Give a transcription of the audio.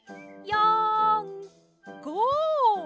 ４５！